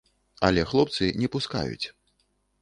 Але хлопцы не пускаюць.